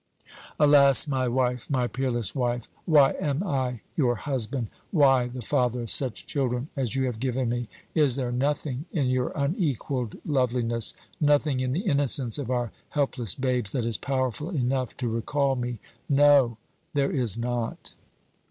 "Alas! my wife, my peerless wife, why am I your husband? why the father of such children as you have given me? Is there nothing in your unequalled loveliness nothing in the innocence of our helpless babes, that is powerful enough to recall me? No, there is not.